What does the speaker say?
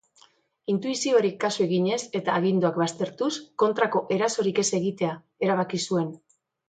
Intuizioari kasu eginez eta aginduak baztertuz, kontrako erasorik ez egitea erabaki zuen.